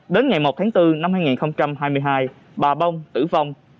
đến ngày một tháng bốn năm hai nghìn hai mươi hai bà bông tử vong